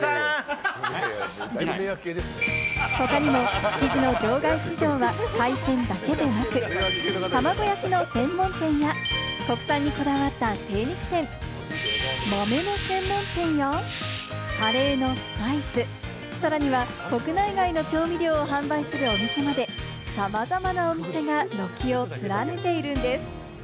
他にも築地の場外市場は海鮮だけでなく、たまご焼きの専門店や、国産にこだわった精肉店、豆の専門店や、カレーのスパイス、さらには国内外の調味料を販売するお店まで、さまざまなお店が軒を連ねているんです。